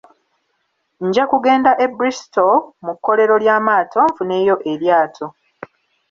Nja kugenda e Bristol mu kkolero ly'amaato nfuneyo eryato.